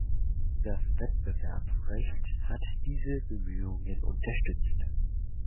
Das Wettbewerbsrecht hat diese Bemühungen unterstützt.